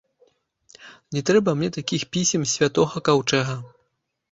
Не трэба мне такіх пісем з святога каўчэга!